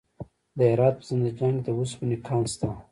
د هرات په زنده جان کې د وسپنې کان شته.